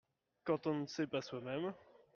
Quand on ne sait pas soi-même.